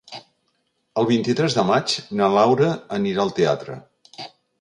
El vint-i-tres de maig na Laura anirà al teatre.